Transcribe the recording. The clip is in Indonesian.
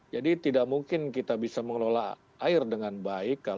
jadi tidak mungkin kita bisa mengelola air dengan baik